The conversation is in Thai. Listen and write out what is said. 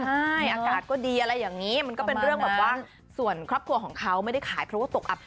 ใช่อากาศก็ดีอะไรอย่างนี้มันก็เป็นเรื่องแบบว่าส่วนครอบครัวของเขาไม่ได้ขายเพราะว่าตกอับ